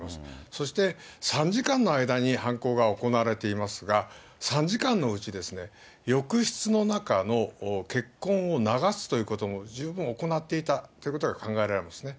そして、３時間の間に犯行が行われていますが、３時間のうち、浴室の中の血痕を流すということも十分行っていたということが考えられますね。